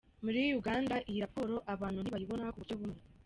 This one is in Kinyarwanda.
Muri Uganda, iyi raporo abantu ntibayibona ku buryo bumwe.